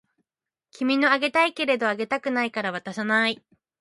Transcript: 君のあげたいけれどあげたくないから渡さない